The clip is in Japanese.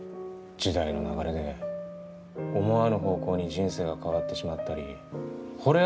時代の流れで思わぬ方向に人生が変わってしまったりほれ